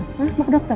hah mau ke dokter